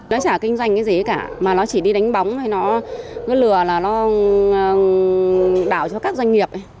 nó chả kinh doanh cái gì cả mà nó chỉ đi đánh bóng nó lừa là nó đảo cho các doanh nghiệp